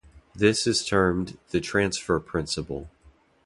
This is termed the transfer principle.